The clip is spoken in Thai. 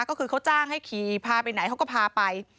ก็คือเขาจ้างให้ขี่พาไปไหนเขาก็พาไป